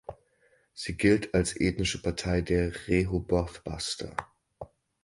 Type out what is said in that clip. Sie gilt als ethnische Partei der Rehoboth Baster.